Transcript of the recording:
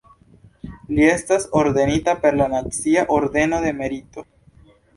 Li estas ordenita per la Nacia ordeno de Merito.